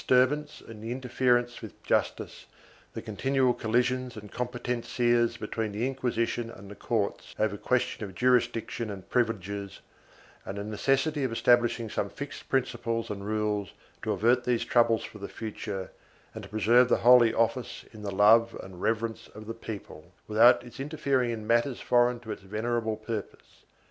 512 CONFLICTING JURISDICTIONS [BOOK II ance and interference with justice, the continual collisions and competencias between the Inquisition and the courts over ques tion of jurisdiction and privileges, and the necessity of establishing some fixed principles and rules to avert these troubles for the future and to preserve the Holy Office in the love and reverence of the people, without its interfering in matters foreign to its venerable purpose.